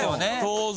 当然。